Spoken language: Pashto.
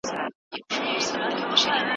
په پیلني پړاو کي د مخالفت څرګندول اسانه وي.